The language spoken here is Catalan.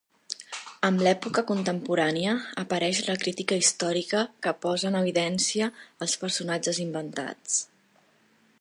Amb l'època contemporània apareix la crítica històrica que posa en evidència els personatges inventats.